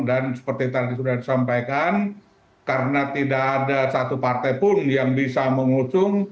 dan seperti tadi sudah disampaikan karena tidak ada satu partai pun yang bisa mengusung